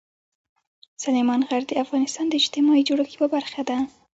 سلیمان غر د افغانستان د اجتماعي جوړښت یوه برخه ده.